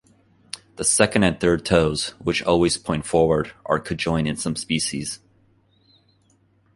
The second and third toes, which always point forward, are conjoined in some species.